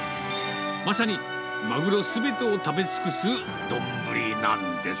まさにマグロすべてを食べ尽くす丼なんです。